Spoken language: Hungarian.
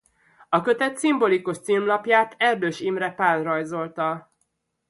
A kötet szimbolikus címlapját Erdős Imre Pál rajzolta.